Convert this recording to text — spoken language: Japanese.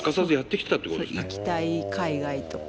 行きたい海外とか。